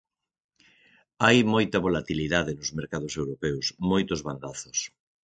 Hai moita volatilidade nos mercados europeos, moitos bandazos.